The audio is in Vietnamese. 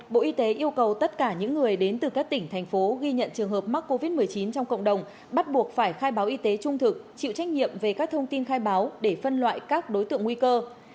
bộ y tế yêu cầu tất cả những người đến từ các tỉnh thành phố ghi nhận trường hợp mắc covid một mươi chín trong cộng đồng bắt buộc phải khai báo y tế trung thực chịu trách nhiệm về các thông tin khai báo để phân loại các đối tượng nguy cơ